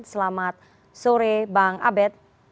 selamat sore bang abed